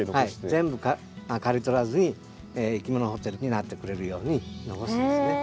全部刈り取らずにいきものホテルになってくれるように残すんですね。